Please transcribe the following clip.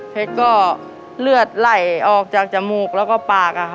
และก็เลือดไหลออกจากจมูกและก็ปากค่ะ